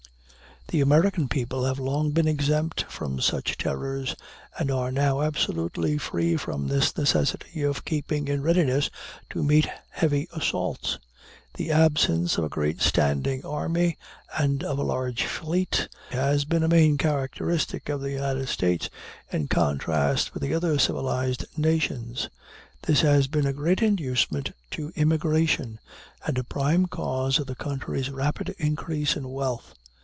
The American people have long been exempt from such terrors, and are now absolutely free from this necessity of keeping in readiness to meet heavy assaults. The absence of a great standing army and of a large fleet has been a main characteristic of the United States, in contrast with the other civilized nations; this has been a great inducement to immigration, and a prime cause of the country's rapid increase in wealth.